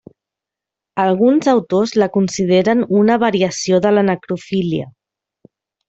Alguns autors la consideren una variació de la necrofília.